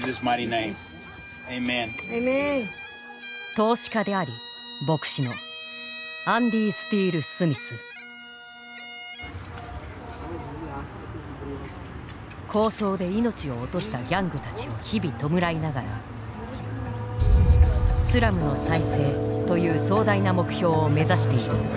投資家であり牧師の抗争で命を落としたギャングたちを日々弔いながらスラムの再生という壮大な目標を目指している。